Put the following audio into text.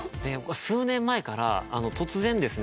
数年前から突然ですね